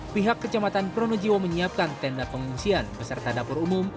pihak kecamatan pronojiwo menyiapkan tenda pengungsian beserta dapur umum